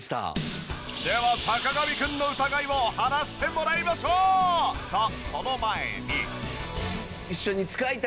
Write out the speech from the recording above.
では坂上くんの疑いを晴らしてもらいましょう！とその前に。